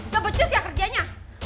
gak becus ya kerjanya